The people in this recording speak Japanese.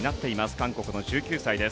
韓国の１９歳です。